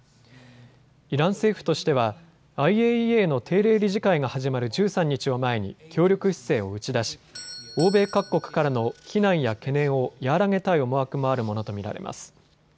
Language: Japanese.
イラン政府としてはＩＡＥＡの定例理事会が始まる１３日を前に協力姿勢を打ち出し欧米各国からの非難や懸念を和らげたい思惑もあるものと見られます。